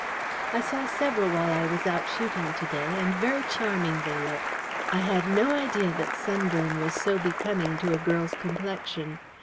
"I saw several while I was out shooting to day, and very charming they looked. I had no idea that sunburn was so becoming to a girl's complexion.